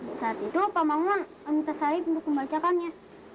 nah saat itu pak mangun meminta sahib untuk membacakannya